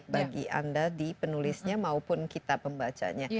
bagi anda di penulisnya maupun kita pembacanya